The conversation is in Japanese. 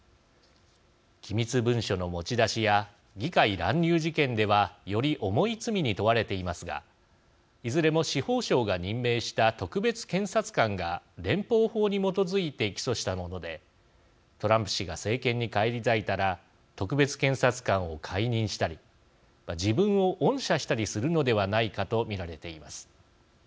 機密文書の持ち出しや議会乱入事件ではより重い罪に問われていますがいずれも司法省が任命した特別検察官が連邦法に基づいて起訴したものでトランプ氏が政権に返り咲いたら特別検察官を解任したり自分を恩赦したりするのではないかと見られています。